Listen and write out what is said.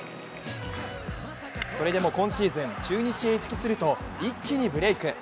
それでも今シーズン、中日へ移籍すると一気にブレイク。